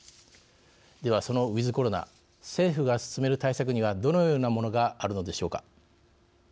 では、そのウィズコロナ政府が進める対策にはどのようなものがあるのでしょうか。